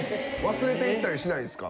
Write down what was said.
忘れていったりしないですか？